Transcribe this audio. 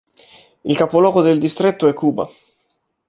Il capoluogo del distretto è Quba.